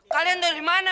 kalian dari mana